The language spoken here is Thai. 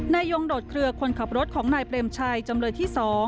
นายยงโดดเคลือคนขับรถของนายเปรมชัยจำเลยที่๒